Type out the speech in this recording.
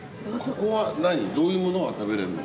ここはなに？どういうものが食べられるの？